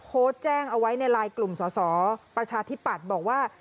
โพสต์แจ้งเอาไว้ในไลน์กลุ่มสอสอประชาธิปัตย์บอกว่า